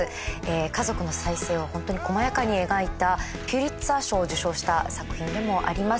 家族の再生を本当に細やかに描いたピュリツァー賞を受賞した作品でもあります。